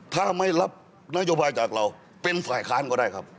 ถ้าไม่รับนโยบายจากเราเป็นฝ่ายค้านก็ได้ครับ